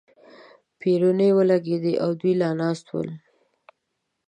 پېرونی ولګېدې او دوی لا ناست ول.